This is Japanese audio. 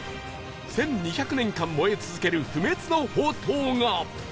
１２００年間燃え続ける不滅の法灯が